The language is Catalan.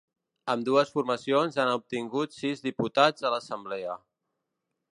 Ambdues formacions han obtingut sis diputats a l’assemblea.